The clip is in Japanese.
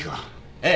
ええ。